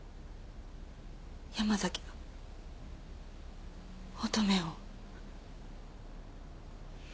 山崎が乙女を。